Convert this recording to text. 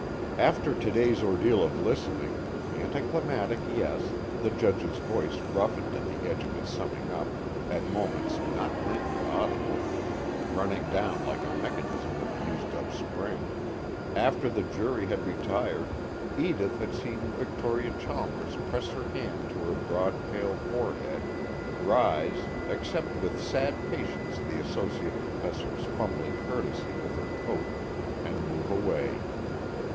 After today's ordeal of listening anticlimactic, yes, the Judge's voice roughened at the end of his summing up, at moments not plainly audible, running down like a mechanism with a used up spring after the jury had retired, Edith had seen Victoria Chalmers press her hand to her broad pale forehead, rise, accept with sad patience the Associate Professor's fumbling courtesy with her coat, and move away.